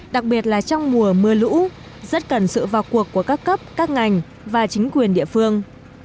đặc biệt là trong mùa mưa lũ rất cần sự vào cuộc của các cấp các ngành và chính quyền địa phương